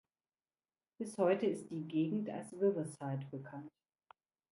Bis heute ist die Gegend als "Riverside" bekannt.